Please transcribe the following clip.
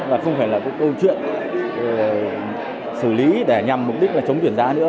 và không phải là câu chuyện xử lý để nhằm mục đích là chống chuyển giá nữa